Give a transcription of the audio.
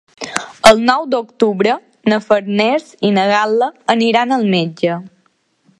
El nou d'octubre na Farners i na Gal·la aniran al metge.